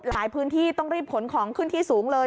พื้นที่ต้องรีบขนของขึ้นที่สูงเลย